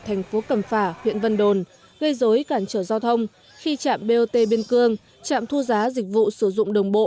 tp cầm phả huyện vân đồn gây dối cản trở giao thông khi trạm bot biên cương trạm thu giá dịch vụ sử dụng đồng bộ